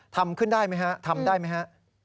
ทำได้ไหมฮะ